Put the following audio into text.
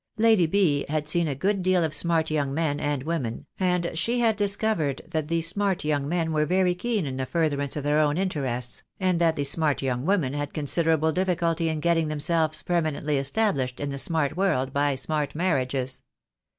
Lady B. had seen a good deal of smart young men and women, and she had discovered that the smart young men were very keen in the furtherance of their own interests, and that the smart young women had considerable dif ficulty in getting themselves permanently established in the smart world by smart marriages.